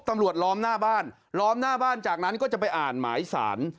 ล้อมหน้าบ้านล้อมหน้าบ้านจากนั้นก็จะไปอ่านหมายสาร